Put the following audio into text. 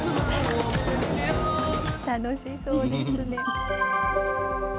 楽しそうですね。